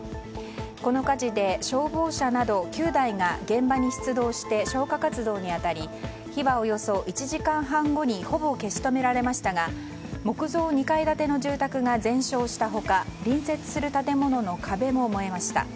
この火事で消防車など９台が現場に出動して消火活動に当たり火はおよそ１時間半後にほぼ消し止められましたが木造２階建ての住宅が全焼した他隣接する建物の壁も燃えました。